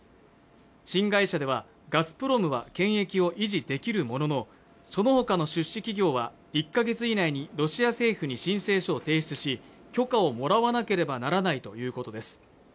新会社ではガスプロムは権益を維持できるもののそのほかの出資企業は１か月以内にロシア政府に申請書を提出し許可をもらわなければならないということです